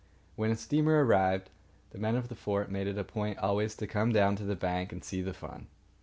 When a steamer arrived, the men of the fort made it a point always to come down to the bank and see the fun.